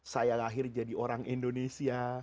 saya lahir jadi orang indonesia